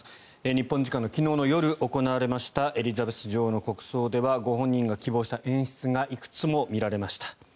日本時間の昨日夜行われましたエリザベス女王の国葬ではご本人が希望した演出がいくつも見られました。